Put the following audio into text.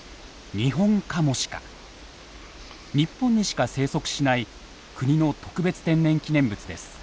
日本にしか生息しない国の特別天然記念物です。